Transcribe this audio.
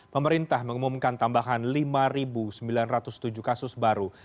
pemerintah mengumumkan tambahan lima sembilan ratus tujuh kasus baru